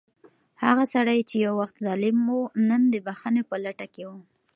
هغه سړی چې یو وخت ظالم و، نن د بښنې په لټه کې و.